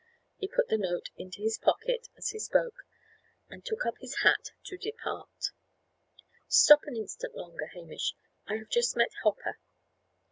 He put the note into his pocket, as he spoke, and took up his hat to depart. "Stop an instant longer, Hamish. I have just met Hopper."